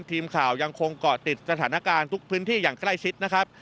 ทีมข่าวยังคงเกาะติดสถานการณ์ทุกพื้นที่อย่างใกล้ชิดนะครับ